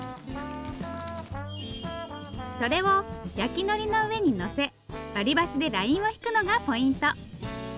それを焼きのりの上にのせ割り箸でラインを引くのがポイント。